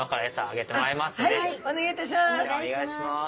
お願いいたします。